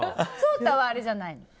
颯太はあれじゃない？